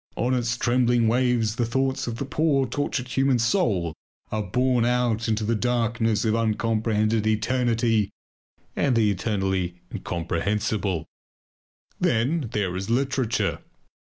On its trembling waves the thoughts of the poor tortured human soul are borne out into the darkness of uncomprehended eternity and the eternally incomprehensible. Then there is literature.